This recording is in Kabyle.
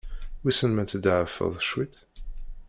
Wissen ma tḍeɛfeḍ cwiṭ?